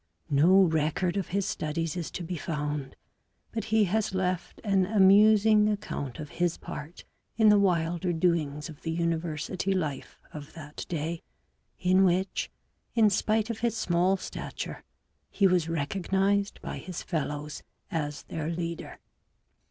No record of his studies is to be found, but he has left an amusing account of his part in the wilder doings of the university life of that day, in which, in spite of his small stature, he was recognized by his fellows as their leader.